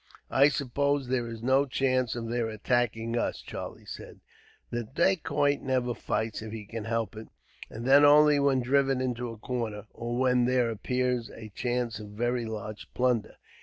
"I suppose there is no chance of their attacking us," Charlie said. "The Dacoit never fights if he can help it, and then only when driven into a corner, or when there appears a chance of very large plunder.